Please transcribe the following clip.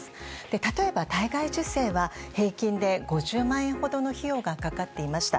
例えば体外受精は平均で５０万円ほどの費用がかかっていました。